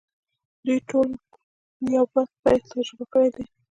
دوی ټولو یو بد پیل تجربه کړی دی